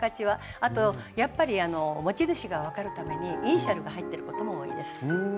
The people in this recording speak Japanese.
あとやっぱり持ち主が分かるためにイニシャルが入ってることも多いです。